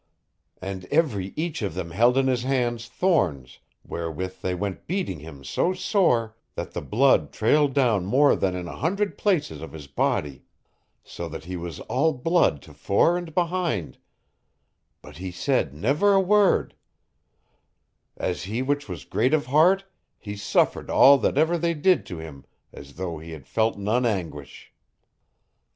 And every each of them held in his hands thorns wherewith they went beating him so sore that the blood trailed down more than in an hundred places of his body, so that he was all blood tofore and behind, but he said never a word; as he which was great of heart he suffered all that ever they did to him as though he had felt none anguish.